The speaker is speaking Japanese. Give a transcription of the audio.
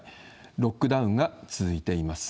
ロックダウンが続いています。